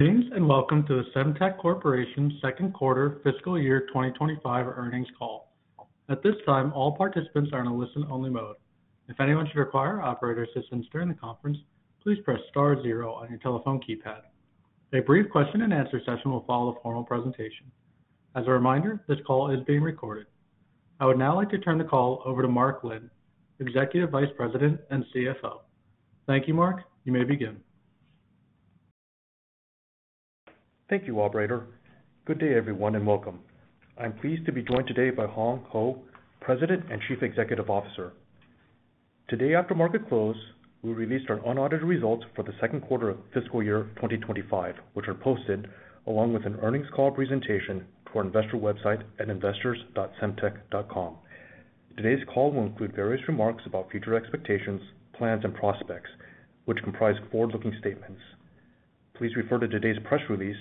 Good evening, and welcome to the Semtech Corporation Second Quarter Fiscal Year 2025 Earnings Call. At this time, all participants are in a listen-only mode. If anyone should require operator assistance during the conference, please press star zero on your telephone keypad. A brief question-and-answer session will follow the formal presentation. As a reminder, this call is being recorded. I would now like to turn the call over to Mark Lin, Executive Vice President and CFO. Thank you, Mark. You may begin. Thank you, operator. Good day, everyone, and welcome. I'm pleased to be joined today by Hong Hou, President and Chief Executive Officer. Today, after market close, we released our unaudited results for the second quarter of fiscal year 2025, which are posted along with an earnings call presentation to our investor website at investors.semtech.com. Today's call will include various remarks about future expectations, plans, and prospects, which comprise forward-looking statements. Please refer to today's press release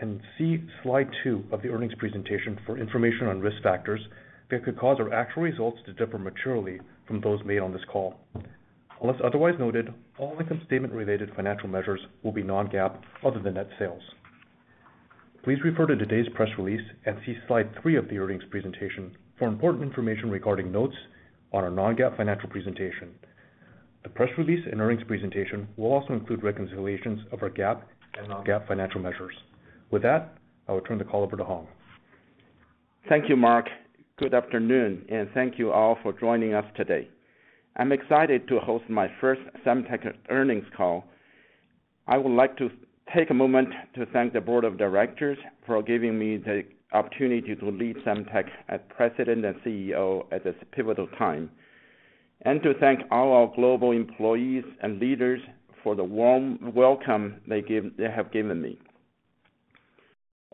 and see slide two of the earnings presentation for information on risk factors that could cause our actual results to differ materially from those made on this call. Unless otherwise noted, all income statement-related financial measures will be non-GAAP other than net sales. Please refer to today's press release and see slide three of the earnings presentation for important information regarding notes on our non-GAAP financial presentation. The press release and earnings presentation will also include reconciliations of our GAAP and non-GAAP financial measures. With that, I will turn the call over to Hong. Thank you, Mark. Good afternoon, and thank you all for joining us today. I'm excited to host my first Semtech earnings call. I would like to take a moment to thank the board of directors for giving me the opportunity to lead Semtech as President and CEO at this pivotal time, and to thank all our global employees and leaders for the warm welcome they have given me.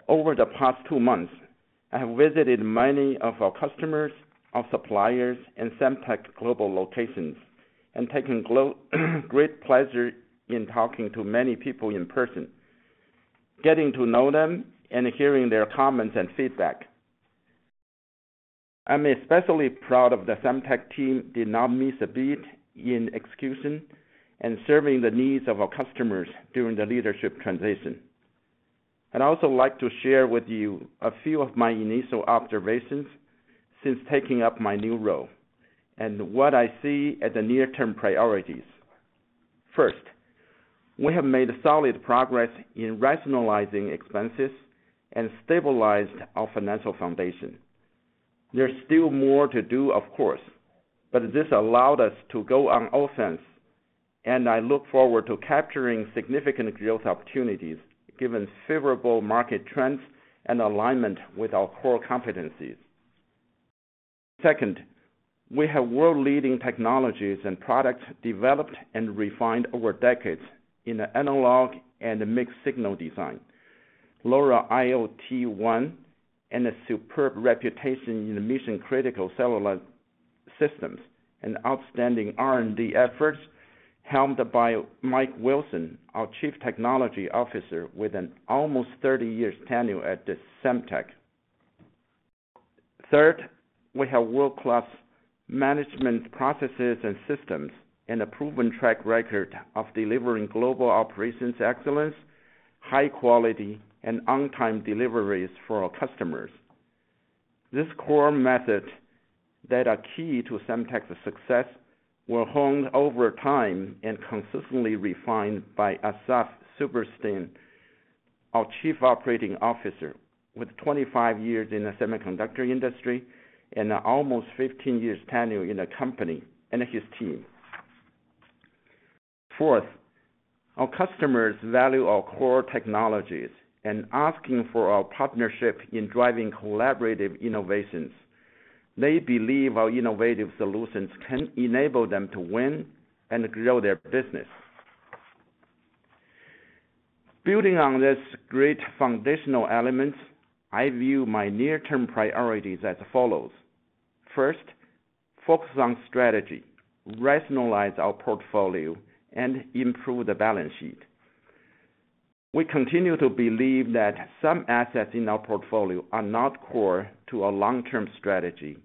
Over the past two months, I have visited many of our customers, our suppliers, and Semtech's global locations, and taken great pleasure in talking to many people in person, getting to know them and hearing their comments and feedback. I'm especially proud of the Semtech team, did not miss a beat in execution and serving the needs of our customers during the leadership transition. I'd also like to share with you a few of my initial observations since taking up my new role and what I see as the near-term priorities. First, we have made solid progress in rationalizing expenses and stabilized our financial foundation. There's still more to do, of course, but this allowed us to go on all fronts, and I look forward to capturing significant growth opportunities, given favorable market trends and alignment with our core competencies. Second, we have world-leading technologies and products developed and refined over decades in the analog and mixed signal design, LoRaWAN, and a superb reputation in mission-critical cellular systems, and outstanding R&D efforts helmed by Mike Wilson, our Chief Technology Officer, with an almost 30 years tenure at Semtech. Third, we have world-class management processes and systems, and a proven track record of delivering global operations excellence, high quality, and on-time deliveries for our customers. These core methods that are key to Semtech's success were honed over time and consistently refined by Asaf Silberstein, our Chief Operating Officer, with 25 years in the semiconductor industry and almost 15 years tenure in the company, and his team. Fourth, our customers value our core technologies and asking for our partnership in driving collaborative innovations. They believe our innovative solutions can enable them to win and grow their business. Building on these great foundational elements, I view my near-term priorities as follows: First, focus on strategy, rationalize our portfolio, and improve the balance sheet. We continue to believe that some assets in our portfolio are not core to our long-term strategy,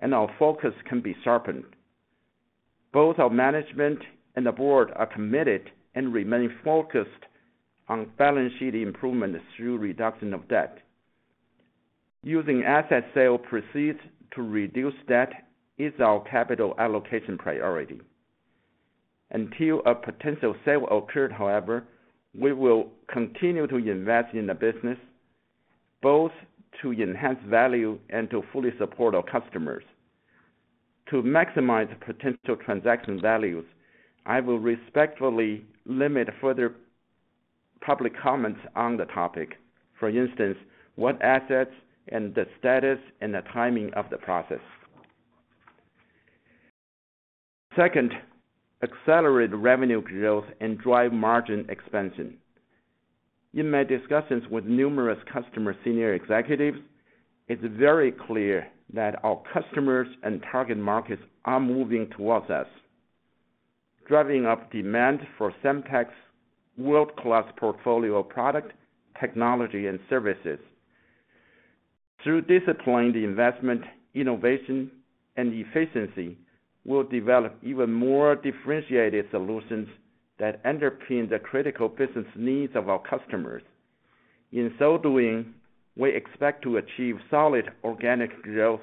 and our focus can be sharpened. Both our management and the board are committed and remain focused on balance sheet improvements through reduction of debt. Using asset sale proceeds to reduce debt is our capital allocation priority. Until a potential sale occurred, however, we will continue to invest in the business, both to enhance value and to fully support our customers. To maximize potential transaction values, I will respectfully limit further public comments on the topic. For instance, what assets and the status and the timing of the process. Second, accelerate revenue growth and drive margin expansion. In my discussions with numerous customer senior executives, it's very clear that our customers and target markets are moving towards us, driving up demand for Semtech's world-class portfolio of product, technology, and services. Through disciplining the investment, innovation, and efficiency, we'll develop even more differentiated solutions that underpin the critical business needs of our customers. In so doing, we expect to achieve solid organic growth,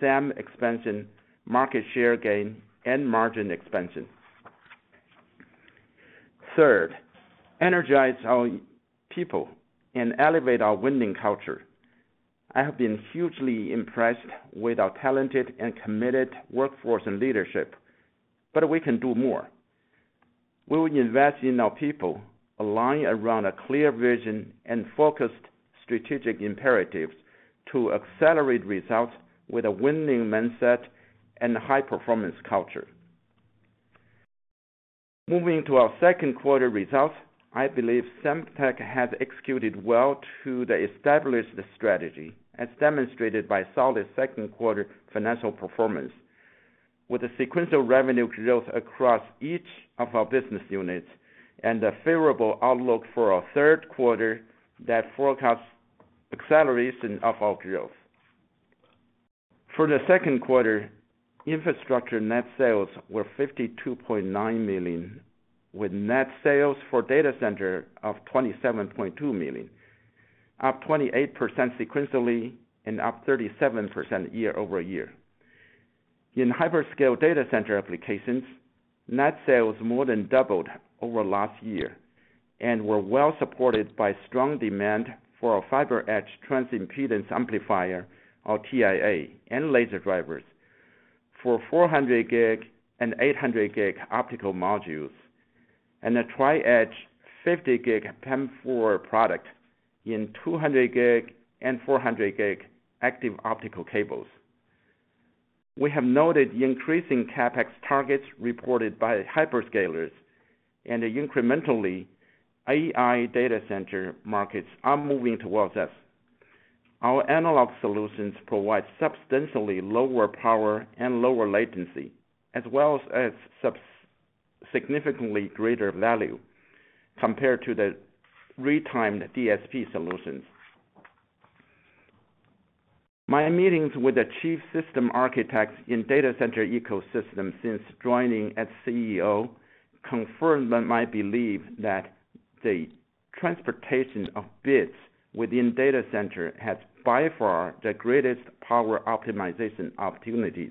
SAM expansion, market share gain, and margin expansion. Third, energize our people and elevate our winning culture. I have been hugely impressed with our talented and committed workforce and leadership, but we can do more. We will invest in our people, align around a clear vision and focused strategic imperatives to accelerate results with a winning mindset and high performance culture. Moving to our second quarter results, I believe Semtech has executed well to the established strategy, as demonstrated by solid second quarter financial performance, with a sequential revenue growth across each of our business units and a favorable outlook for our third quarter that forecasts acceleration of our growth. For the second quarter, infrastructure net sales were $52.9 million, with net sales for data center of $27.2 million, up 28% sequentially and up 37% year-over-year. In hyperscale data center applications, net sales more than doubled over last year and were well supported by strong demand for our FiberEdge transimpedance amplifier, or TIA, and laser drivers for 400 GB and 800 GB optical modules, and a Tri-Edge 50 GB PAM4 product in 200 GB and 400 GB active optical cables. We have noted the increasing CapEx targets reported by hyperscalers and the incrementally AI data center markets are moving towards us. Our analog solutions provide substantially lower power and lower latency, as well as significantly greater value compared to the retimed DSP solutions. My meetings with the chief system architects in data center ecosystem since joining as CEO confirmed my belief that the transportation of bits within data center has by far the greatest power optimization opportunities.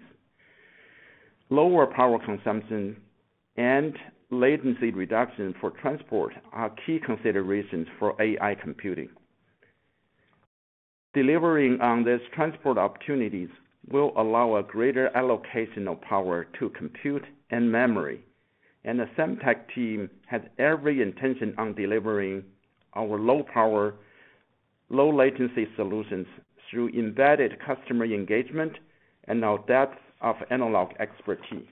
Lower power consumption and latency reduction for transport are key considerations for AI computing. Delivering on these transport opportunities will allow a greater allocation of power to compute and memory, and the Semtech team has every intention on delivering our low power, low latency solutions through embedded customer engagement and our depth of analog expertise.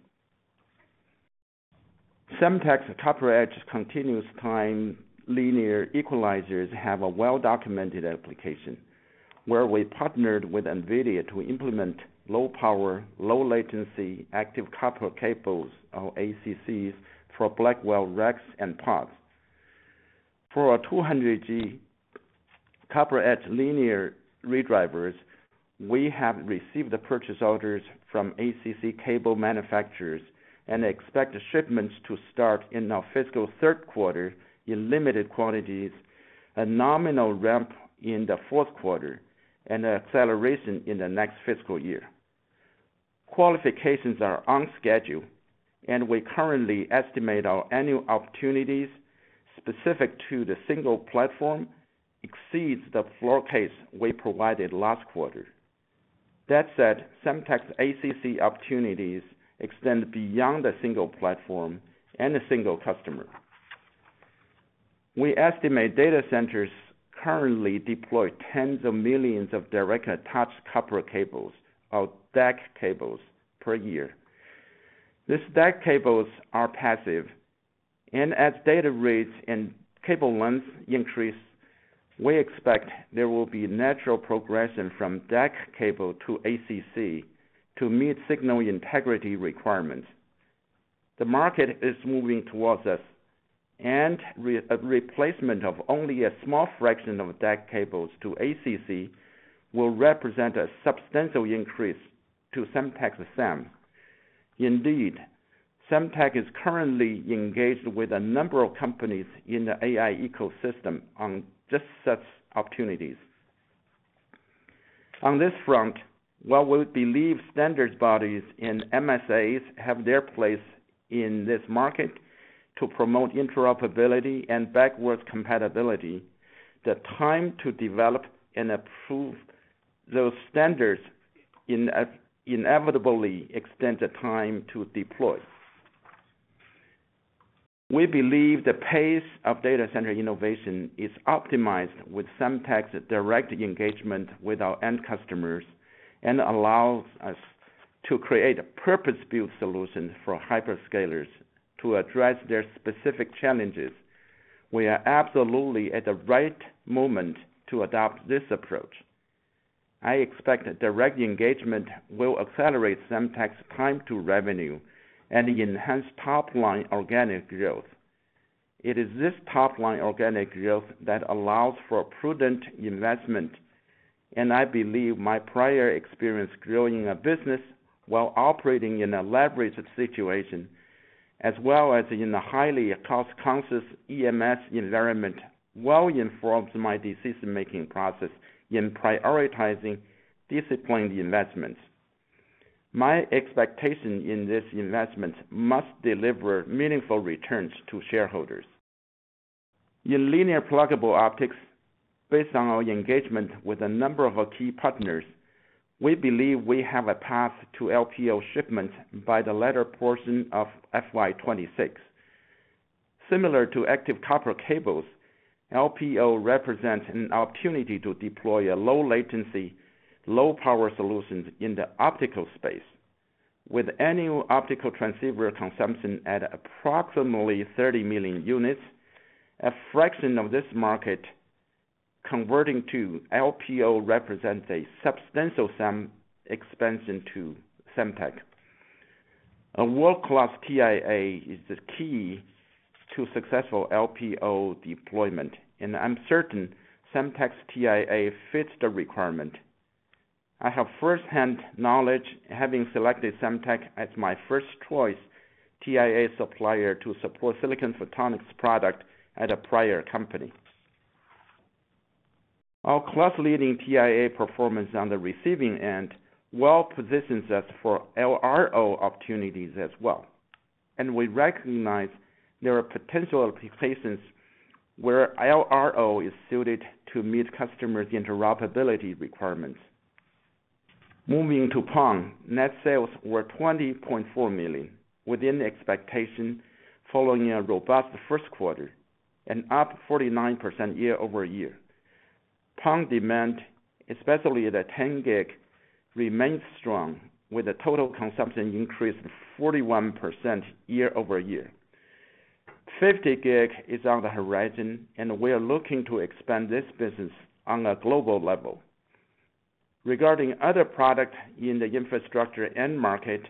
Semtech's CopperEdge continuous time linear equalizers have a well-documented application, where we partnered with NVIDIA to implement low power, low latency, active copper cables, or ACCs, for Blackwell racks and pods. For our 200 G CopperEdge linear redrivers, we have received the purchase orders from ACC cable manufacturers and expect the shipments to start in our fiscal third quarter in limited quantities, a nominal ramp in the fourth quarter, and acceleration in the next fiscal year. Qualifications are on schedule, and we currently estimate our annual opportunities specific to the single platform exceeds the floor case we provided last quarter. That said, Semtech's ACC opportunities extend beyond a single platform and a single customer. We estimate data centers currently deploy tens of millions of direct-attach copper cables, or DAC cables, per year. These DAC cables are passive, and as data rates and cable lengths increase, we expect there will be natural progression from DAC cable to ACC to meet signal integrity requirements. The market is moving towards us, and replacement of only a small fraction of DAC cables to ACC will represent a substantial increase to Semtech's SAM. Indeed, Semtech is currently engaged with a number of companies in the AI ecosystem on just such opportunities. On this front, while we believe standards bodies and MSAs have their place in this market to promote interoperability and backward compatibility, the time to develop and approve those standards inevitably extend the time to deploy. We believe the pace of data center innovation is optimized with Semtech's direct engagement with our end customers and allows us to create a purpose-built solution for hyperscalers to address their specific challenges. We are absolutely at the right moment to adopt this approach. I expect direct engagement will accelerate Semtech's time to revenue and enhance top-line organic growth. It is this top line organic growth that allows for a prudent investment, and I believe my prior experience growing a business while operating in a leveraged situation, as well as in a highly cost-conscious EMS environment, well informs my decision-making process in prioritizing disciplined investments. My expectation in this investment must deliver meaningful returns to shareholders. In linear pluggable optics, based on our engagement with a number of our key partners, we believe we have a path to LPO shipments by the latter portion of FY 2026. Similar to active copper cables, LPO represents an opportunity to deploy low-latency, low-power solutions in the optical space. With annual optical transceiver consumption at approximately 30 million units, a fraction of this market converting to LPO represents a substantial TAM expansion to Semtech. A world-class TIA is the key to successful LPO deployment, and I'm certain Semtech's TIA fits the requirement. I have first-hand knowledge, having selected Semtech as my first choice TIA supplier to support silicon photonics product at a prior company. Our class-leading TIA performance on the receiving end well positions us for LRO opportunities as well, and we recognize there are potential applications where LRO is suited to meet customers' interoperability requirements. Moving to PON, net sales were $20.4 million, within expectation, following a robust first quarter and up 49% year-over-year. PON demand, especially the 10 GB, remains strong, with a total consumption increase of 41% year-over-year. 50 GB is on the horizon, and we are looking to expand this business on a global level. Regarding other products in the infrastructure end market,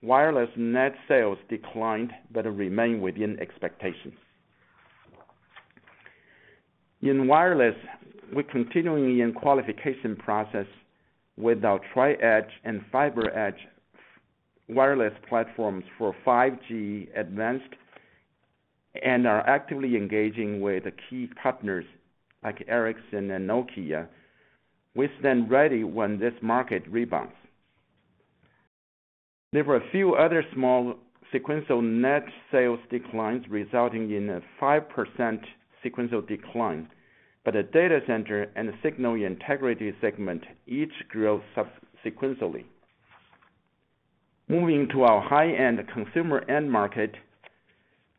wireless net sales declined but remained within expectations. In wireless, we're continuing in qualification process with our Tri-Edge and FiberEdge wireless platforms for 5G Advanced, and are actively engaging with the key partners like Ericsson and Nokia. We stand ready when this market rebounds. There were a few other small sequential net sales declines, resulting in a 5% sequential decline, but the data center and signal integrity segment each grew sequentially. Moving to our high-end consumer end market,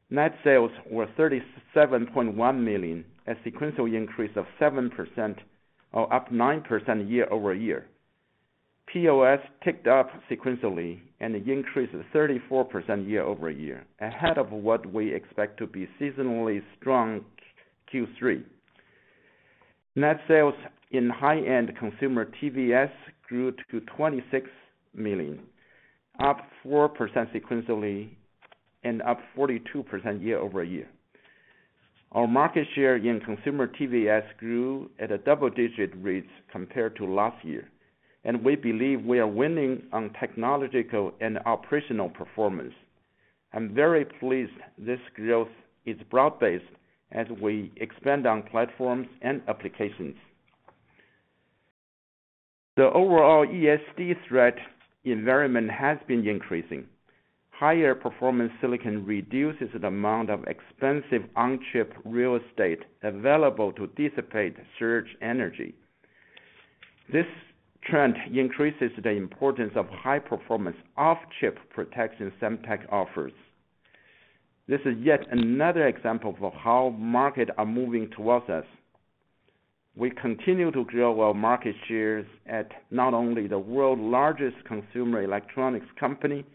net sales were $37.1 million, a sequential increase of 7% or up 9% year-over-year. POS ticked up sequentially and increased 34% year-over-year, ahead of what we expect to be seasonally strong Q3. Net sales in high-end consumer TVS grew to $26 million, up 4% sequentially and up 42% year-over-year. Our market share in consumer TVS grew at a double-digit rate compared to last year, and we believe we are winning on technological and operational performance. I'm very pleased this growth is broad-based as we expand on platforms and applications. The overall ESD threat environment has been increasing. Higher performance silicon reduces the amount of expensive on-chip real estate available to dissipate surge energy. This trend increases the importance of high performance off-chip protection Semtech offers. This is yet another example of how markets are moving towards us. We continue to grow our market shares in not only the world's largest consumer electronics company,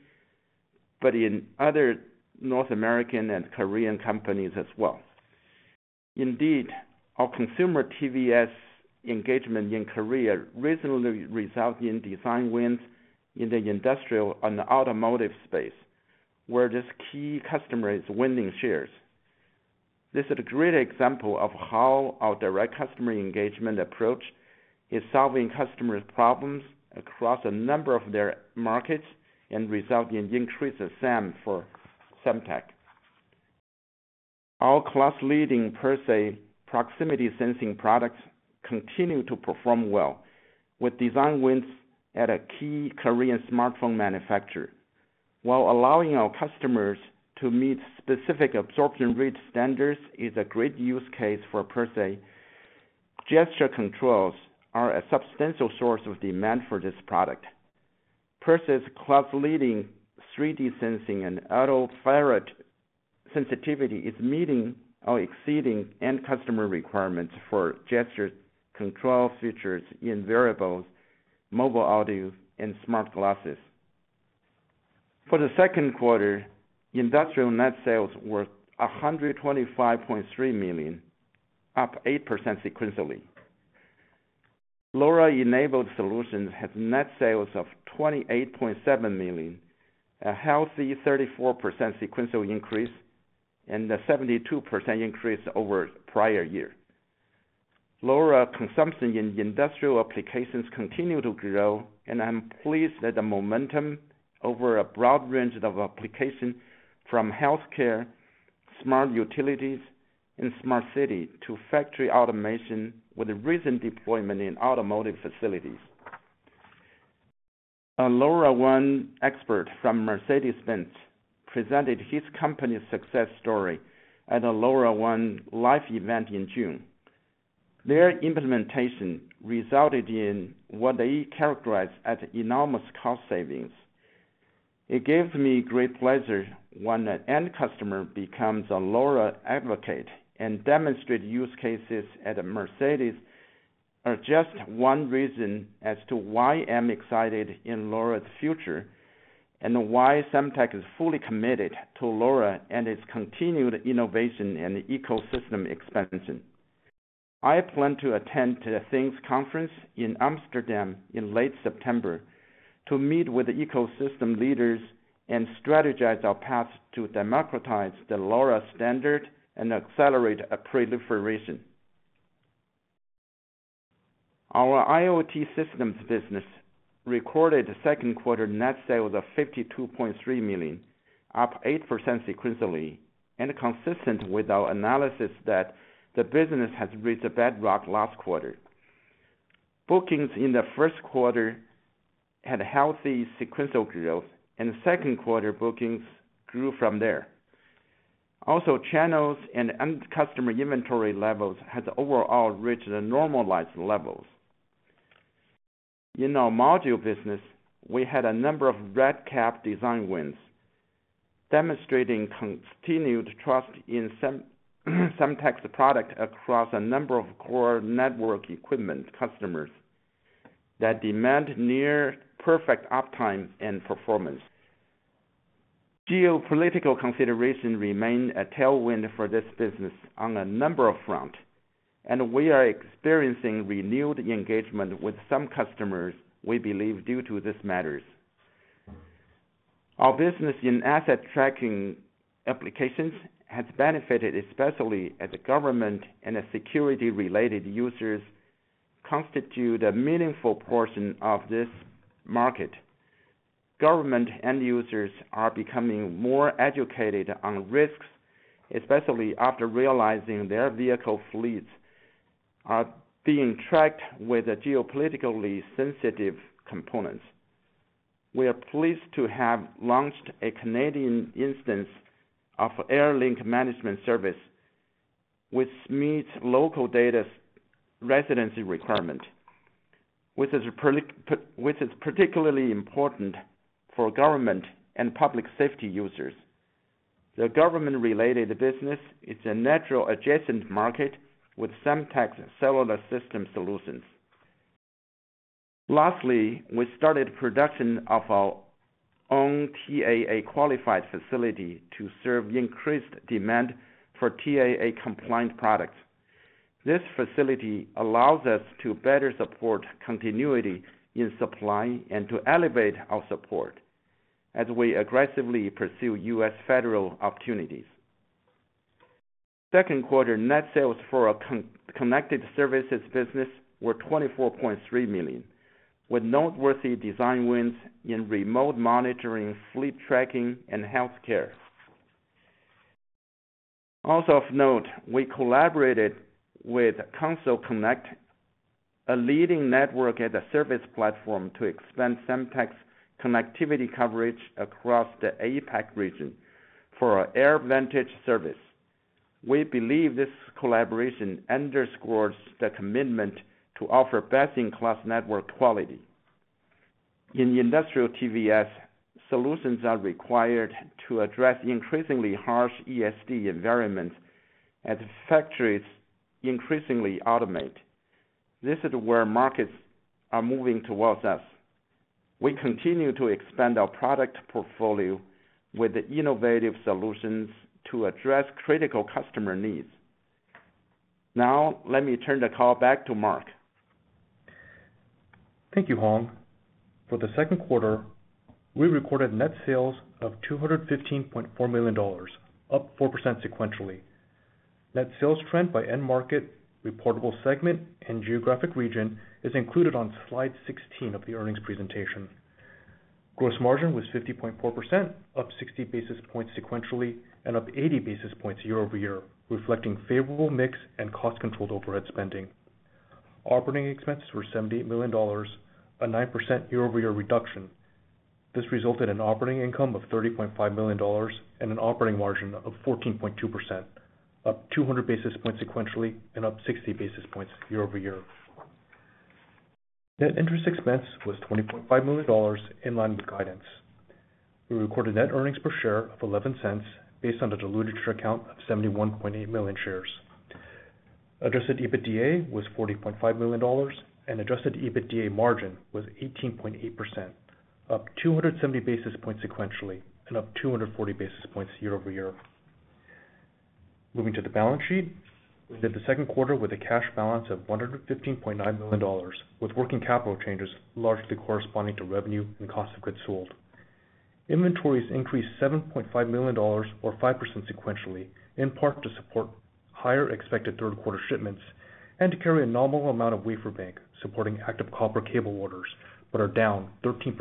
but in other North American and Korean companies as well. Indeed, our consumer TVS engagement in Korea recently resulted in design wins in the industrial and automotive space, where this key customer is winning shares. This is a great example of how our direct customer engagement approach is solving customers' problems across a number of their markets and result in increased demand for Semtech. Our class-leading Percept proximity sensing products continue to perform well, with design wins at a key Korean smartphone manufacturer. While allowing our customers to meet specific absorption rate standards is a great use case for Percept, gesture controls are a substantial source of demand for this product. Percept's class-leading 3D sensing and auto far-field sensitivity is meeting or exceeding end customer requirements for gesture control features in wearables, mobile audio, and smart glasses. For the second quarter, industrial net sales were $125.3 million, up 8% sequentially. LoRa-enabled solutions had net sales of $28.7 million, a healthy 34% sequential increase, and a 72% increase over prior year. LoRa consumption in industrial applications continue to grow, and I'm pleased that the momentum over a broad range of application from healthcare, smart utilities and smart city, to factory automation, with a recent deployment in automotive facilities. A LoRaWAN expert from Mercedes-Benz presented his company's success story at a LoRaWAN Live event in June. Their implementation resulted in what they characterized as enormous cost savings. It gives me great pleasure when an end customer becomes a LoRa advocate, and demonstrate use cases at a Mercedes are just one reason as to why I'm excited in LoRa's future, and why Semtech is fully committed to LoRa and its continued innovation and ecosystem expansion. I plan to attend the Things Conference in Amsterdam in late September to meet with the ecosystem leaders and strategize our path to democratize the LoRa standard and accelerate a proliferation. Our IoT systems business recorded second quarter net sales of $52.3 million, up 8% sequentially, and consistent with our analysis that the business has reached a bedrock last quarter. Bookings in the first quarter had a healthy sequential growth, and second quarter bookings grew from there. Also, channels and end customer inventory levels has overall reached the normalized levels. In our module business, we had a number of RedCap design wins, demonstrating continued trust in Semtech's product across a number of core network equipment customers that demand near perfect uptime and performance. Geopolitical consideration remain a tailwind for this business on a number of front, and we are experiencing renewed engagement with some customers, we believe, due to this matters. Our business in asset tracking applications has benefited, especially as the government and the security-related users constitute a meaningful portion of this market. Government end users are becoming more educated on risks, especially after realizing their vehicle fleets are being tracked with geopolitically sensitive components. We are pleased to have launched a Canadian instance of AirLink Management Service, which meets local data's residency requirement, which is particularly important for government and public safety users. The government-related business is a natural adjacent market with Semtech's cellular system solutions. Lastly, we started production of our own TAA-qualified facility to serve increased demand for TAA-compliant products. This facility allows us to better support continuity in supply and to elevate our support as we aggressively pursue U.S. federal opportunities. Second quarter net sales for our connected services business were $24.3 million, with noteworthy design wins in remote monitoring, fleet tracking, and healthcare. Also of note, we collaborated with Console Connect, a leading network-as-a-service platform, to expand Semtech's connectivity coverage across the APAC region for our AirVantage service. We believe this collaboration underscores the commitment to offer best-in-class network quality. In industrial TVS, solutions are required to address increasingly harsh ESD environments as factories increasingly automate. This is where markets are moving towards us. We continue to expand our product portfolio with innovative solutions to address critical customer needs. Now, let me turn the call back to Mark. Thank you, Hong. For the second quarter, we recorded net sales of $215.4 million, up 4% sequentially. Net sales trend by end market, reportable segment, and geographic region is included on slide 16 of the earnings presentation. Gross margin was 50.4%, up 60 basis points sequentially, and up 80 basis points year-over-year, reflecting favorable mix and cost-controlled overhead spending. Operating expenses were $78 million, a 9% year-over-year reduction. This resulted in operating income of $30.5 million and an operating margin of 14.2%, up 200 basis points sequentially, and up 60 basis points year-over-year. Net interest expense was $20.5 million, in line with guidance. We recorded net earnings per share of $0.11, based on the diluted share count of 71.8 million shares. Adjusted EBITDA was $40.5 million, and adjusted EBITDA margin was 18.8%, up 270 basis points sequentially, and up 240 basis points year-over-year. Moving to the balance sheet, we ended the second quarter with a cash balance of $115.9 million, with working capital changes largely corresponding to revenue and cost of goods sold. Inventories increased $7.5 million, or 5% sequentially, in part to support higher expected third quarter shipments and to carry a nominal amount of wafer bank supporting active copper cable orders, but are down 13%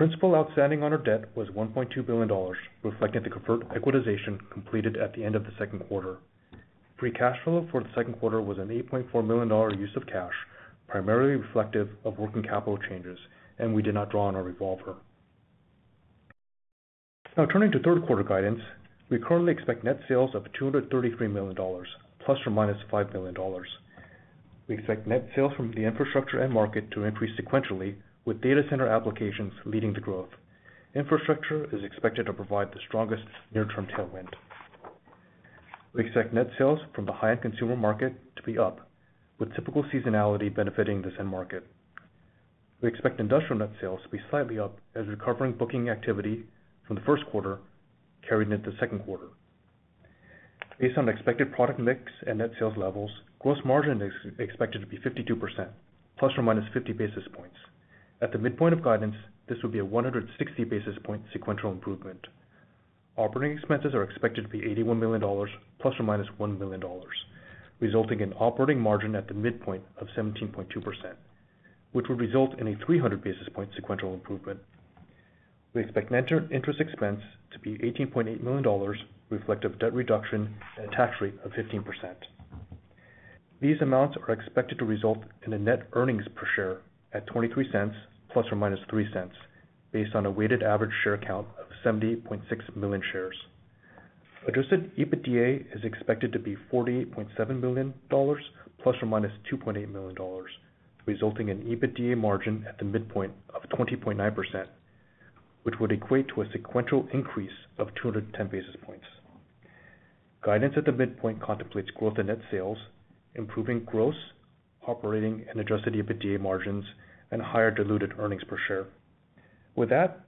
year-over-year. Principal outstanding on our debt was $1.2 billion, reflecting the conversion completed at the end of the second quarter. Free cash flow for the second quarter was an $8.4 million use of cash, primarily reflective of working capital changes, and we did not draw on our revolver. Now, turning to third quarter guidance, we currently expect net sales of $233 million, plus or minus $5 million. We expect net sales from the infrastructure end market to increase sequentially, with data center applications leading the growth. Infrastructure is expected to provide the strongest near-term tailwind. We expect net sales from the high-end consumer market to be up, with typical seasonality benefiting this end market. We expect industrial net sales to be slightly up as recovering booking activity from the first quarter carried into the second quarter. Based on expected product mix and net sales levels, gross margin is expected to be 52%, plus or minus 50 basis points. At the midpoint of guidance, this will be a 160 basis points sequential improvement. Operating expenses are expected to be $81 million, plus or minus $1 million, resulting in operating margin at the midpoint of 17.2%, which will result in a 300 basis points sequential improvement. We expect net interest expense to be $18.8 million, reflective of debt reduction and a tax rate of 15%. These amounts are expected to result in a net earnings per share of $0.23, plus or minus $0.03, based on a weighted average share count of 70.6 million shares. Adjusted EBITDA is expected to be $48.7 million plus or minus $2.8 million, resulting in EBITDA margin at the midpoint of 20.9%, which would equate to a sequential increase of 210 basis points. Guidance at the midpoint contemplates growth in net sales, improving gross, operating, and adjusted EBITDA margins, and higher diluted earnings per share. With that,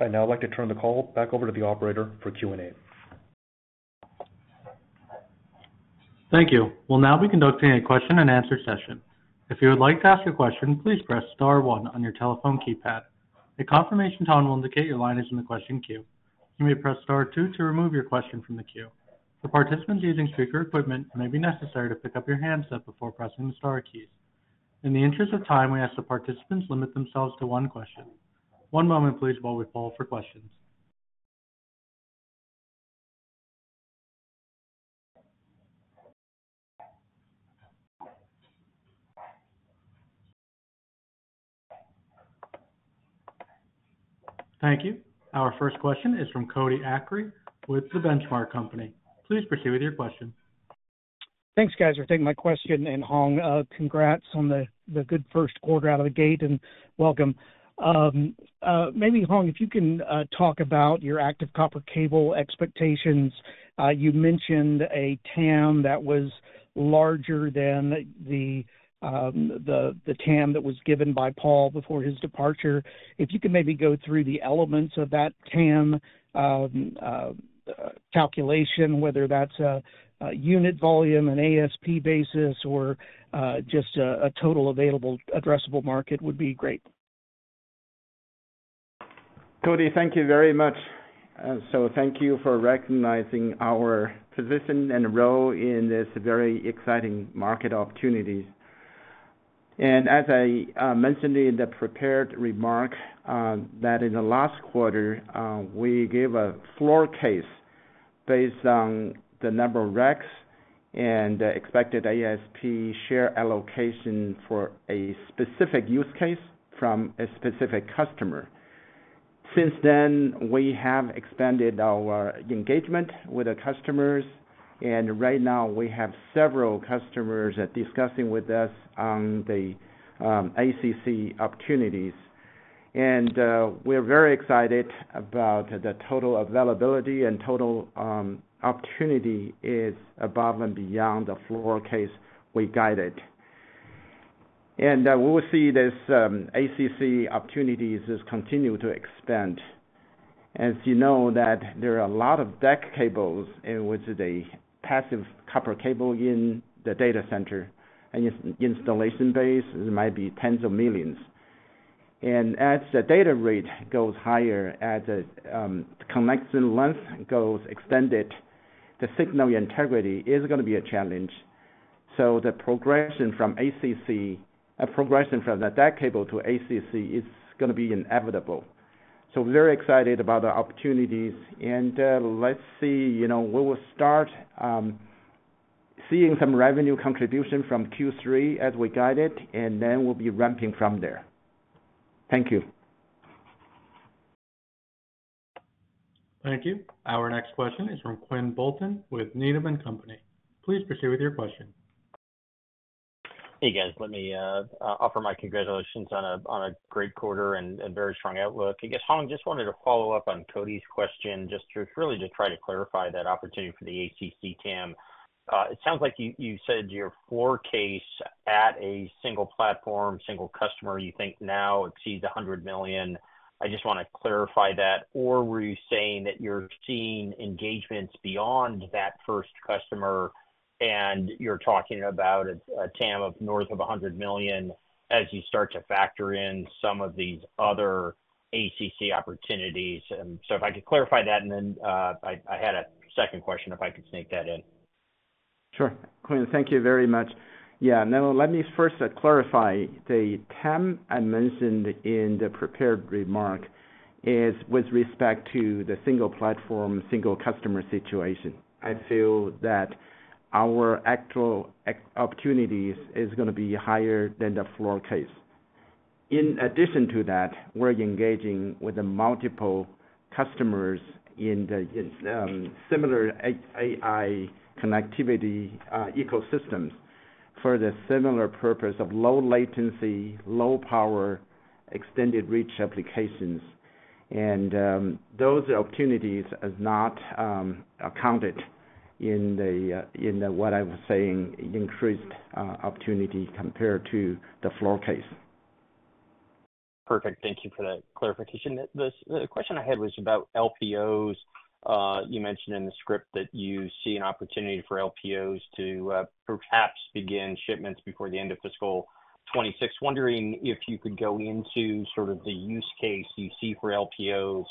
I'd now like to turn the call back over to the operator for Q&A. Thank you. We'll now be conducting a question-and-answer session. If you would like to ask a question, please press star one on your telephone keypad. A confirmation tone will indicate your line is in the question queue. You may press star two to remove your question from the queue. For participants using speaker equipment, it may be necessary to pick up your handset before pressing the star keys. In the interest of time, we ask that participants limit themselves to one question. One moment, please, while we poll for questions. Thank you. Our first question is from Cody Acree with The Benchmark Company. Please proceed with your question. Thanks, guys, for taking my question. And Hong, congrats on the good first quarter out of the gate, and welcome. Maybe, Hong, if you can talk about your active copper cable expectations. You mentioned a TAM that was larger than the TAM that was given by Paul before his departure. If you could maybe go through the elements of that TAM calculation, whether that's a unit volume, an ASP basis, or just a total available addressable market, would be great. Cody, thank you very much. So thank you for recognizing our position and role in this very exciting market opportunity. And as I mentioned in the prepared remark, that in the last quarter, we gave a floor case based on the number of racks and expected ASP share allocation for a specific use case from a specific customer. Since then, we have expanded our engagement with the customers, and right now we have several customers that discussing with us on the ACC opportunities. And we're very excited about the total availability and total opportunity is above and beyond the floor case we guided. And we will see this ACC opportunities just continue to expand. As you know, there are a lot of DAC cables in which the passive copper cable in the data center and installation base might be 10s of millions. And as the data rate goes higher, as the connection length goes extended, the signal integrity is gonna be a challenge. So the progression from ACC, a progression from the DAC cable to ACC is gonna be inevitable. So we're very excited about the opportunities, and let's see, you know, we will start seeing some revenue contribution from Q3 as we guide it, and then we'll be ramping from there. Thank you. Thank you. Our next question is from Quinn Bolton with Needham and Company. Please proceed with your question. Hey, guys. Let me offer my congratulations on a great quarter and very strong outlook. I guess, Hong, just wanted to follow up on Cody's question, just to really try to clarify that opportunity for the ACC TAM. It sounds like you said your floor case at a single platform, single customer, you think now exceeds a $100 million. I just wanna clarify that. Or were you saying that you're seeing engagements beyond that first customer, and you're talking about a TAM of north of a $1OO million as you start to factor in some of these other ACC opportunities? And so if I could clarify that, and then I had a second question, if I could sneak that in. Sure, Quinn, thank you very much. Yeah, no, let me first clarify. The TAM I mentioned in the prepared remark is with respect to the single platform, single customer situation. I feel that our actual opportunities is gonna be higher than the floor case. In addition to that, we're engaging with the multiple customers in the similar AI connectivity ecosystems for the similar purpose of low latency, low power, extended reach applications. And, those opportunities is not accounted in the in what I was saying, increased opportunity compared to the floor case. Perfect. Thank you for that clarification. The question I had was about LPOs. You mentioned in the script that you see an opportunity for LPOs to perhaps begin shipments before the end of fiscal 2026. Wondering if you could go into sort of the use case you see for LPOs.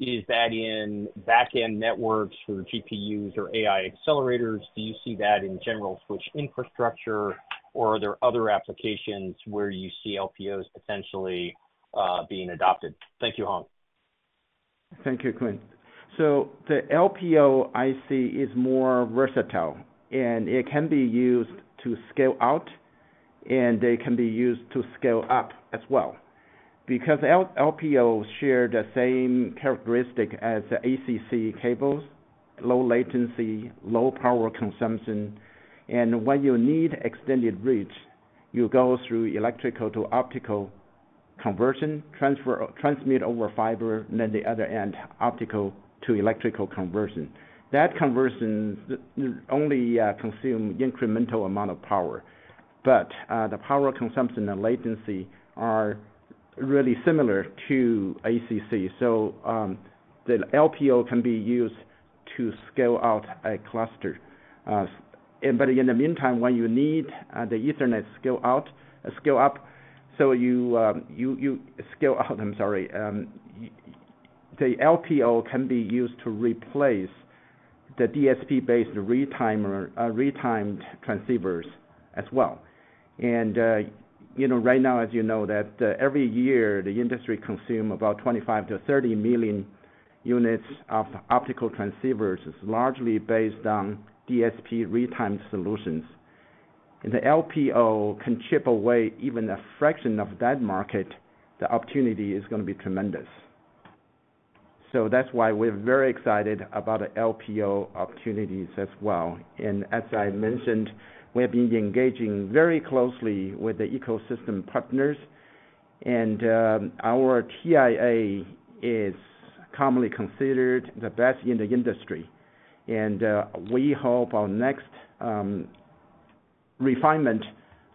Is that in back-end networks for GPUs or AI accelerators? Do you see that in general switch infrastructure, or are there other applications where you see LPOs potentially being adopted? Thank you, Hong. Thank you, Quinn. So the LPO IC is more versatile, and it can be used to scale out, and they can be used to scale up as well. Because LPOs share the same characteristic as the ACC cables, low latency, low power consumption, and when you need extended reach, you go through electrical to optical conversion, transmit over fiber, and then the other end, optical to electrical conversion. That conversion only consume incremental amount of power, but the power consumption and latency are really similar to ACC. So the LPO can be used to scale out a cluster. And but in the meantime, when you need the Ethernet scale out, scale up, so you you scale out, I'm sorry. The LPO can be used to replace the DSP-based retimer, retimed transceivers as well. You know, right now, as you know, every year the industry consumes about 25-30 million units of optical transceivers. It's largely based on DSP retimed solutions. If the LPO can chip away even a fraction of that market, the opportunity is gonna be tremendous. That's why we're very excited about the LPO opportunities as well. As I mentioned, we've been engaging very closely with the ecosystem partners, and our TIA is commonly considered the best in the industry. We hope our next refinement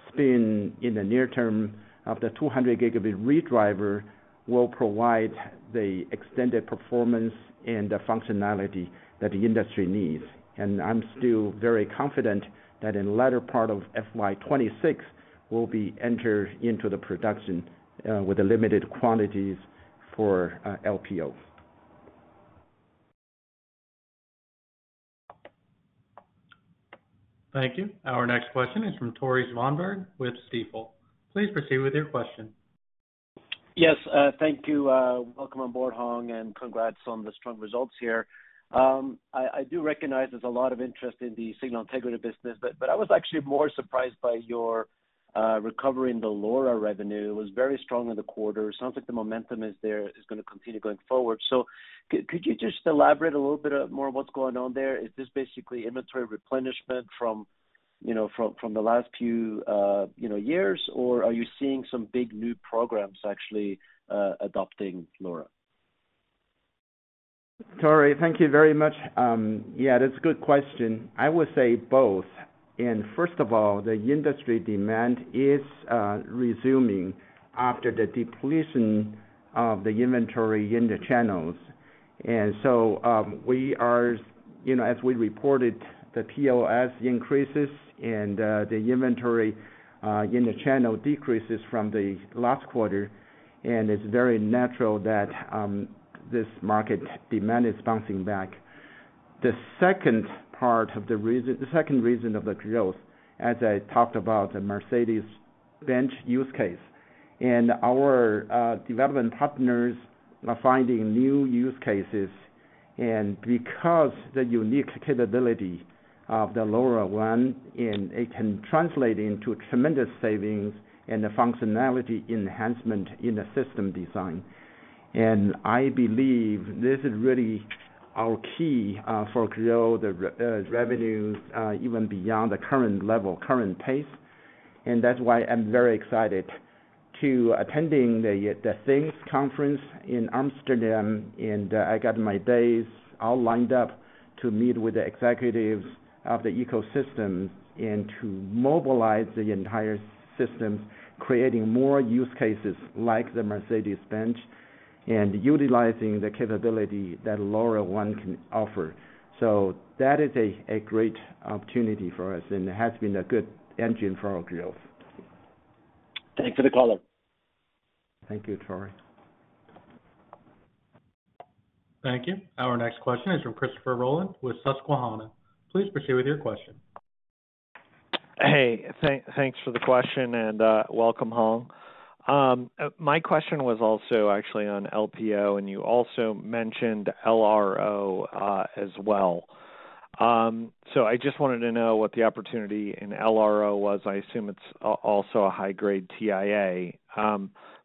spin in the near term of the 200 GB redriver will provide the extended performance and the functionality that the industry needs. I'm still very confident that in latter part of FY 2026, we'll be entered into the production with the limited quantities for LPOs. Thank you. Our next question is from Tore Svanberg with Stifel. Please proceed with your question. Yes, thank you. Welcome on board, Hong, and congrats on the strong results here. I do recognize there's a lot of interest in the signal integrity business, but I was actually more surprised by your recovery in the LoRa revenue. It was very strong in the quarter. Sounds like the momentum is there, is gonna continue going forward. So could you just elaborate a little bit more on what's going on there? Is this basically inventory replenishment from, you know, from the last few, you know, years? Or are you seeing some big new programs actually adopting LoRa? Tore, thank you very much. Yeah, that's a good question. I would say both. And first of all, the industry demand is resuming after the depletion of the inventory in the channels. And so, we are, you know, as we reported, the POS increases and the inventory in the channel decreases from the last quarter, and it's very natural that this market demand is bouncing back. The second part of the reason. The second reason of the growth, as I talked about the Mercedes-Benz use case, and our development partners are finding new use cases. And because the unique capability of the LoRaWAN, and it can translate into tremendous savings and the functionality enhancement in the system design. And I believe this is really our key for grow the revenues even beyond the current level, current pace. That's why I'm very excited about attending the Things Conference in Amsterdam. I got my days all lined up to meet with the Executives of the ecosystem and to mobilize the entire ecosystem, creating more use cases like the Mercedes-Benz, and utilizing the capability that LoRaWAN can offer. That is a great opportunity for us, and it has been a good engine for our growth. Thanks for the call. Thank you, Tore. Thank you. Our next question is from Christopher Rolland with Susquehanna. Please proceed with your question. Hey, thanks for the question, and welcome, Hong. My question was also actually on LPO, and you also mentioned LRO as well. So I just wanted to know what the opportunity in LRO was. I assume it's also a high-grade TIA.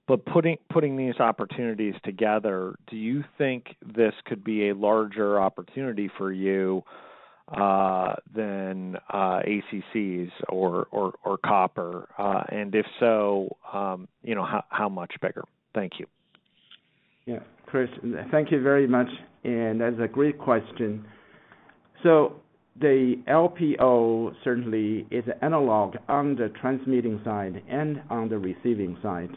But putting these opportunities together, do you think this could be a larger opportunity for you than ACCs or copper? And if so, you know, how much bigger? Thank you. Yeah, Chris, thank you very much, and that's a great question. So the LPO certainly is analog on the transmitting side and on the receiving side,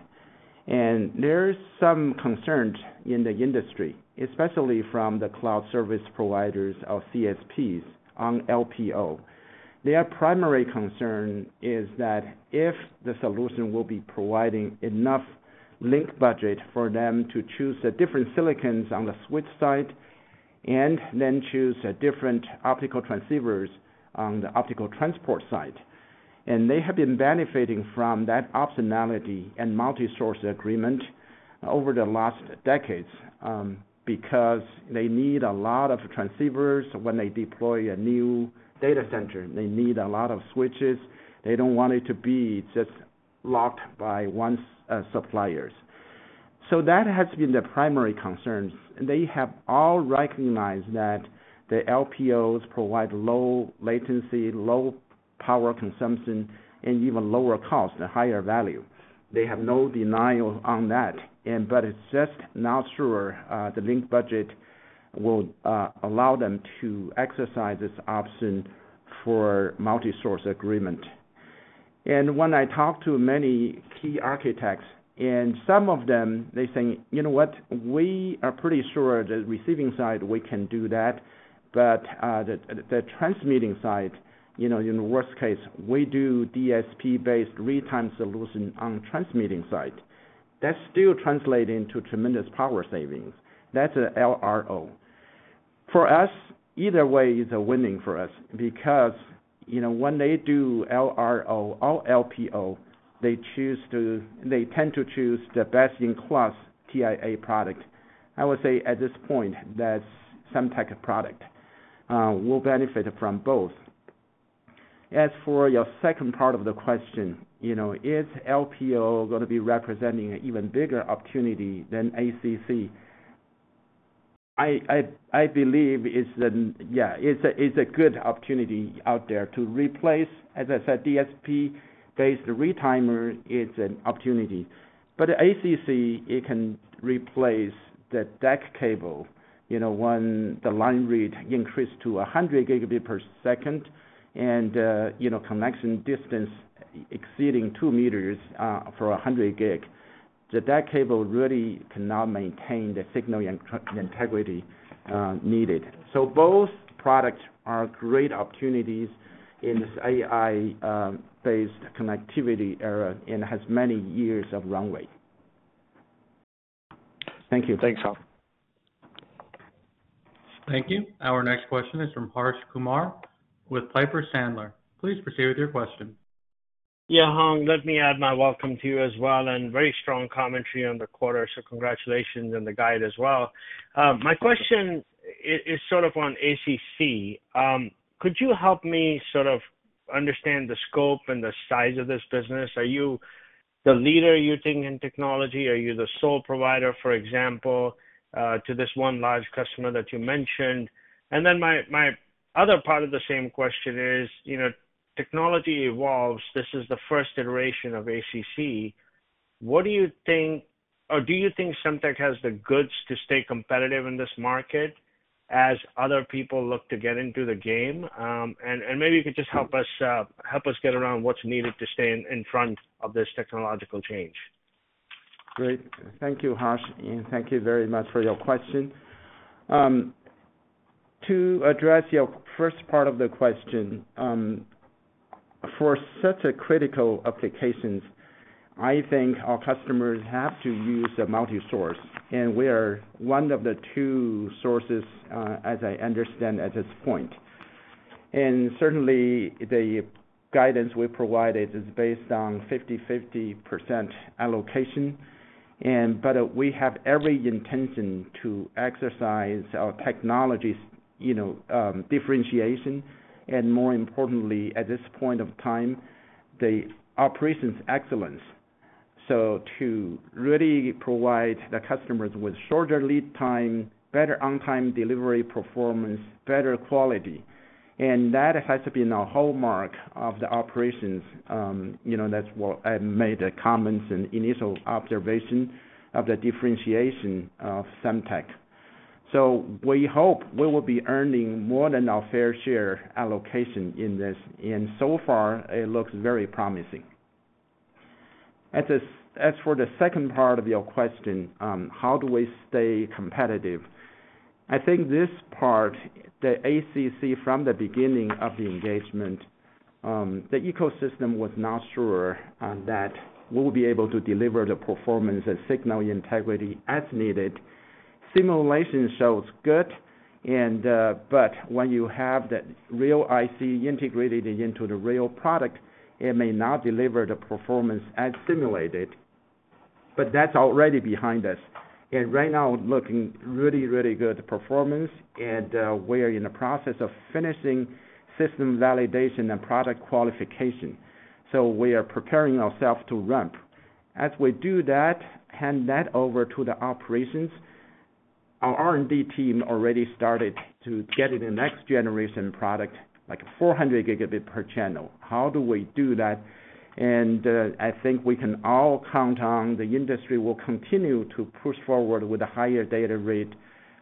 and there is some concerns in the industry, especially from the cloud service providers or CSPs, on LPO. Their primary concern is that if the solution will be providing enough link budget for them to choose the different silicons on the switch side, and then choose a different optical transceivers on the optical transport side. And they have been benefiting from that optionality and multi-source agreement over the last decades, because they need a lot of transceivers when they deploy a new data center. They need a lot of switches. They don't want it to be just locked by one suppliers. So that has been the primary concerns. They have all recognized that the LPOs provide low latency, low power consumption, and even lower cost and higher value. They have no denial on that, and but it's just not sure, the link budget will allow them to exercise this option for multi-source agreement. And when I talk to many key architects, and some of them, they think, you know what? We are pretty sure the receiving side, we can do that, but, the transmitting side, you know, in the worst case, we do DSP-based retimer solution on transmitting side. That's still translating to tremendous power savings. That's a LRO. For us, either way is a winning for us because, you know, when they do LRO or LPO, they choose to, they tend to choose the best-in-class TIA product. I would say, at this point, that Semtech product will benefit from both. As for your second part of the question, you know, is LPO gonna be representing an even bigger opportunity than ACC? I believe it's a good opportunity out there to replace, as I said, DSP-based retimer. It's an opportunity. But ACC, it can replace the DAC cable, you know, when the line rate increases to 100 GB per second and, you know, connection distance exceeding two meters, for 100 GB. The DAC cable really cannot maintain the signal integrity needed. So both products are great opportunities in this AI based connectivity era and has many years of runway. Thank you. Thanks, Hong. Thank you. Our next question is from Harsh Kumar with Piper Sandler. Please proceed with your question. Yeah, Hong, let me add my welcome to you as well, and very strong commentary on the quarter, so congratulations on the guide as well. My question is sort of on ACC. Could you help me sort of understand the scope and the size of this business? Are you the leader, you think, in technology? Are you the sole provider, for example, to this one large customer that you mentioned? And then my other part of the same question is, you know, technology evolves. This is the first iteration of ACC. What do you think, or do you think Semtech has the goods to stay competitive in this market as other people look to get into the game? And maybe you could just help us help us get around what's needed to stay in front of this technological change. Great. Thank you, Harsh, and thank you very much for your question. To address your first part of the question, for such a critical applications, I think our customers have to use a multi-source, and we are one of the two sources, as I understand, at this point. And certainly, the guidance we provided is based on 50%-50% allocation, but we have every intention to exercise our technologies, you know, differentiation, and more importantly, at this point of time, the operations excellence. So to really provide the customers with shorter lead time, better on time delivery performance, better quality, and that has to be in the hallmark of the operations. You know, that's what I made the comments and initial observation of the differentiation of Semtech. So we hope we will be earning more than our fair share allocation in this, and so far it looks very promising. As for the second part of your question, how do we stay competitive? I think this part, the ACC, from the beginning of the engagement, the ecosystem was not sure on that we'll be able to deliver the performance and signal integrity as needed. Simulation shows good, and, but when you have the real IC integrated into the real product, it may not deliver the performance as simulated, but that's already behind us. And right now, looking really, really good performance, and, we are in the process of finishing system validation and product qualification. So we are preparing ourselves to ramp. As we do that, hand that over to the operations. Our R&D team already started to get the next generation product, like 400 GB per channel. How do we do that? And, I think we can all count on the industry will continue to push forward with a higher data rate,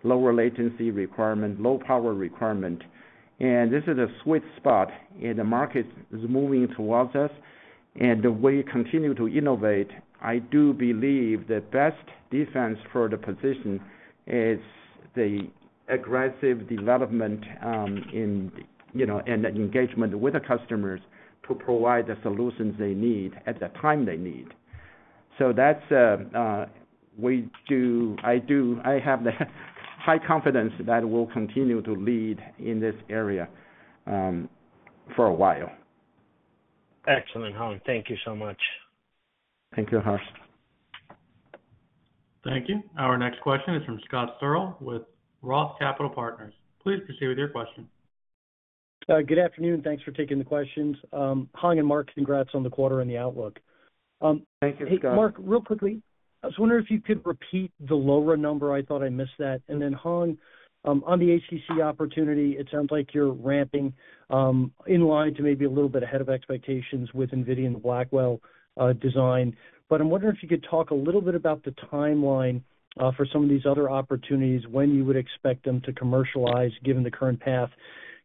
lower latency requirement, low power requirement. And this is a sweet spot, and the market is moving towards us, and we continue to innovate. I do believe the best defense for the position is the aggressive development, in, you know, and engagement with the customers to provide the solutions they need at the time they need. So that's, I have the high confidence that we'll continue to lead in this area, for a while. Excellent, Hong. Thank you so much. Thank you, Harsh. Thank you. Our next question is from Scott Searle with Roth Capital Partners. Please proceed with your question. Good afternoon. Thanks for taking the questions. Hong and Mark, congrats on the quarter and the outlook. Thank you, Scott. Hey, Mark, real quickly, I was wondering if you could repeat the lower number. I thought I missed that. And then, Hong, on the ACC opportunity, it sounds like you're ramping in line to maybe a little bit ahead of expectations with NVIDIA and the Blackwell design. But I'm wondering if you could talk a little bit about the timeline for some of these other opportunities, when you would expect them to commercialize, given the current path.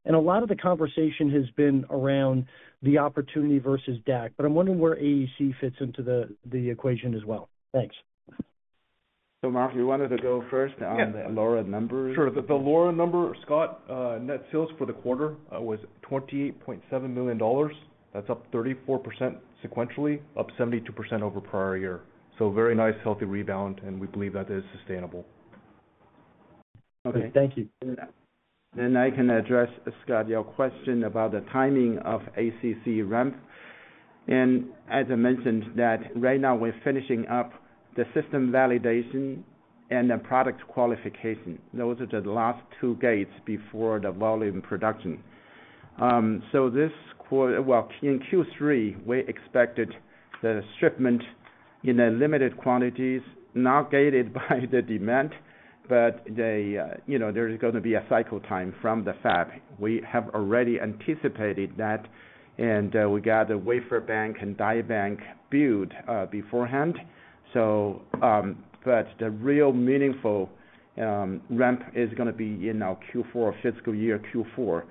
And a lot of the conversation has been around the opportunity versus DAC, but I'm wondering where AEC fits into the equation as well. Thanks. So, Mark, you wanted to go first on- Yeah. the lower number? Sure. The lower number, Scott, net sales for the quarter was $28.7 million. That's up 34% sequentially, up 72% over prior year. So very nice, healthy rebound, and we believe that is sustainable. Okay, thank you. Then I can address, Scott, your question about the timing of ACC ramp. And as I mentioned, that right now we're finishing up the system validation and the product qualification. Those are the last two gates before the volume production. So this quarter, well, in Q3, we expected the shipment in a limited quantities, not gated by the demand, but the, you know, there's gonna be a cycle time from the fab. We have already anticipated that, and, we got the wafer bank and die bank built, beforehand. So, but the real meaningful, ramp is gonna be in our Q4, fiscal year Q4,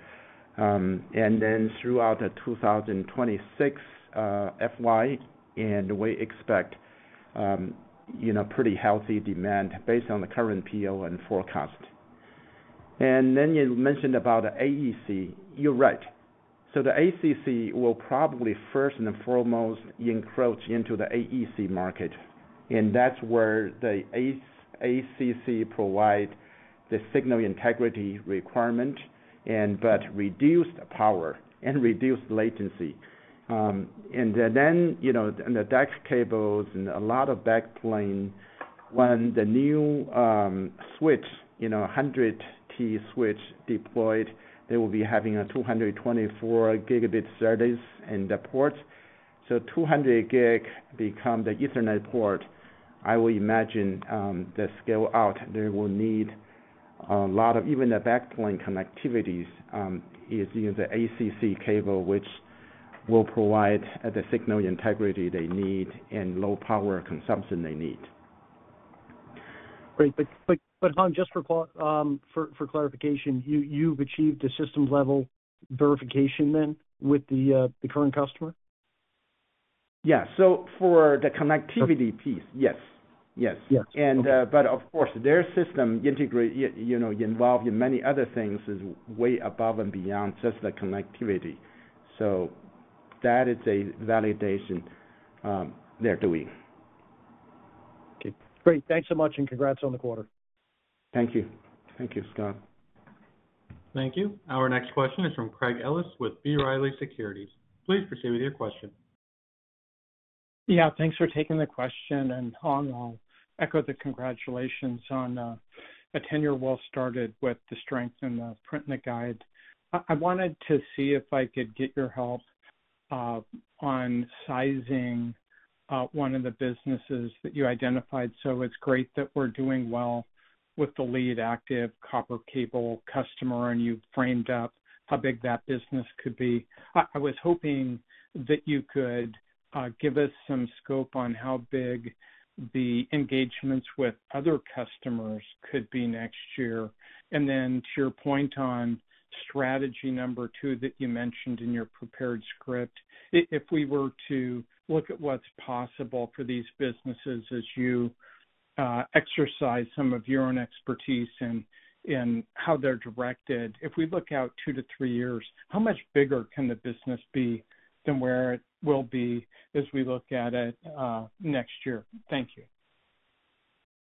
and then throughout the 2026, FY, and we expect, you know, pretty healthy demand based on the current PO and forecast. And then you mentioned about the AEC. You're right. So the ACC will probably first and foremost encroach into the AEC market, and that's where the ACC provide the signal integrity requirement and, but reduced power and reduced latency. And then, you know, and the DAC cables and a lot of backplane, when the new switch, you know, 100T switch deployed, they will be hanging a 224 GB SerDes in the port. So 200 GB become the Ethernet port. I would imagine, the scale out, they will need a lot of even the backplane connectivities is using the ACC cable, which will provide the signal integrity they need and low power consumption they need. Great. But, Hong, just for clarification, you've achieved a system-level verification then, with the current customer? Yeah. So for the connectivity piece, yes. Yes. Yes. But of course, their system integrate, you know, involved in many other things, is way above and beyond just the connectivity. So that is a validation they're doing. Okay, great. Thanks so much, and congrats on the quarter. Thank you. Thank you, Scott. Thank you. Our next question is from Craig Ellis with B. Riley Securities. Please proceed with your question. Yeah, thanks for taking the question, and Hong, I'll echo the congratulations on a tenure well started with the strength in the print and the guide. I wanted to see if I could get your help on sizing one of the businesses that you identified. So it's great that we're doing well with the leading active copper cable customer, and you've framed up how big that business could be. I was hoping that you could give us some scope on how big the engagements with other customers could be next year. And then to your point on strategy number two that you mentioned in your prepared script, if we were to look at what's possible for these businesses as you exercise some of your own expertise in how they're directed, if we look out two to three years, how much bigger can the business be than where it will be as we look at it next year? Thank you.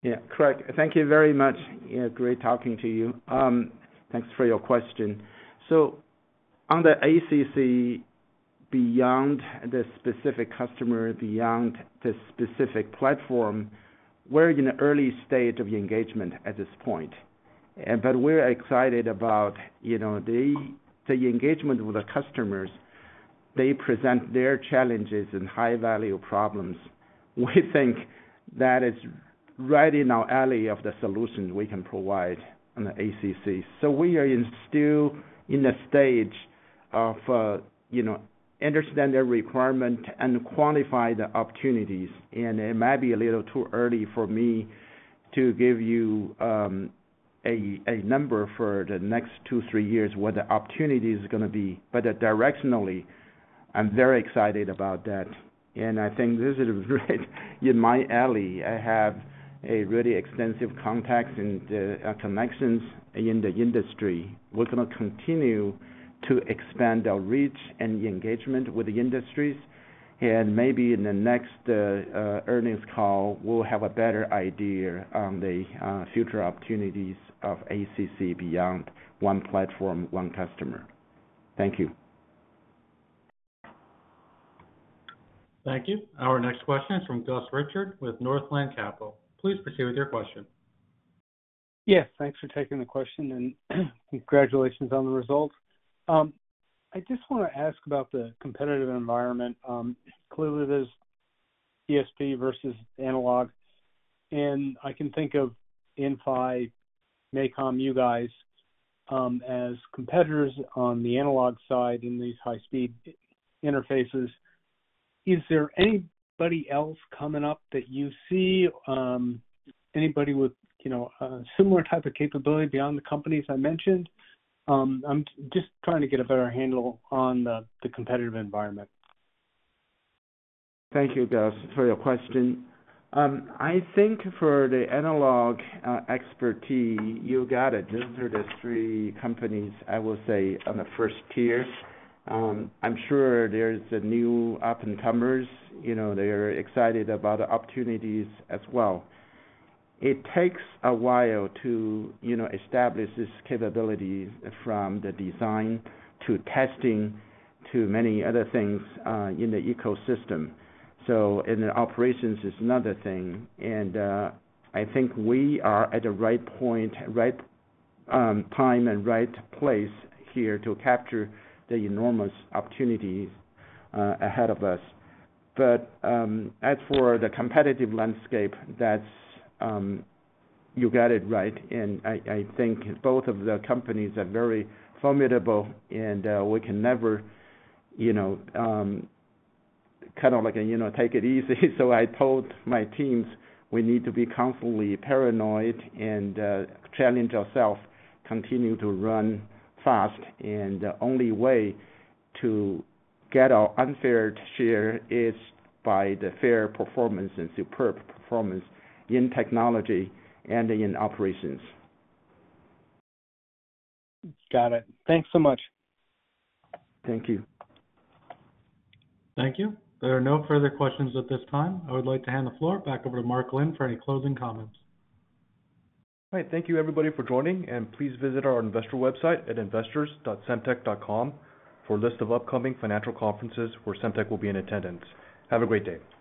Yeah, Craig, thank you very much. Yeah, great talking to you. Thanks for your question. So on the ACC, beyond the specific customer, beyond the specific platform, we're in the early stage of engagement at this point. And but we're excited about, you know, the engagement with the customers. They present their challenges and high-value problems. We think that is right in our alley of the solutions we can provide on the ACC. So we are still in the stage of, you know, understanding their requirements and quantifying the opportunities. And it might be a little too early for me to give you a number for the next two, three years, what the opportunity is gonna be. But directionally, I'm very excited about that, and I think this is right in my alley. I have a really extensive contacts and connections in the industry. We're gonna continue to expand our reach and the engagement with the industries, and maybe in the next earnings call, we'll have a better idea on the future opportunities of ACC beyond one platform, one customer. Thank you. Thank you. Our next question is from Gus Richard with Northland Capital. Please proceed with your question. Yes, thanks for taking the question, and congratulations on the results. I just want to ask about the competitive environment. Clearly, there's DSP versus analog, and I can think of Inphi, MACOM, you guys, as competitors on the analog side in these high-speed interfaces. Is there anybody else coming up that you see, anybody with, you know, a similar type of capability beyond the companies I mentioned? I'm just trying to get a better handle on the competitive environment. Thank you, Gus, for your question. I think for the analog, expertise, you got it. Those are the three companies, I will say, on the first tier. I'm sure there's the new up-and-comers, you know, they're excited about the opportunities as well. It takes a while to, you know, establish this capability from the design to testing to many other things, in the ecosystem. So, and the operations is another thing, and, I think we are at the right point, right, time and right place here to capture the enormous opportunities, ahead of us. But, as for the competitive landscape, that's, you got it right. And I, I think both of the companies are very formidable, and, we can never, you know, kind of like a, you know, take it easy. So I told my teams, "We need to be constantly paranoid and challenge ourselves, continue to run fast." And the only way to get our unfair share is by the fair performance and superb performance in technology and in operations. Got it. Thanks so much. Thank you. Thank you. There are no further questions at this time. I would like to hand the floor back over to Mark Lin for any closing comments. All right. Thank you, everybody, for joining, and please visit our investor website at investors.semtech.com for a list of upcoming financial conferences where Semtech will be in attendance. Have a great day.